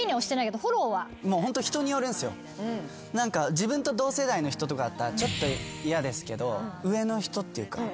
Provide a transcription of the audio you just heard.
自分と同世代の人とかだったらちょっと嫌ですけど上の人っていうか。